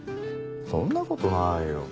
そんなことないよ。